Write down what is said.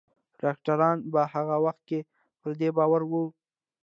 ډاکتران په هغه وخت کې پر دې باور وو